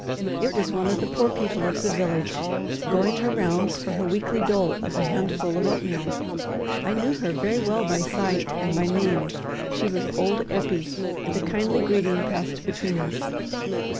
It was one of the poor people of the village, going her rounds for her weekly dole of a handful of oatmeal. I knew her very well by sight and by name she was old Eppie and a kindly greeting passed between us.